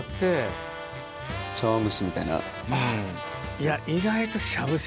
いや意外と。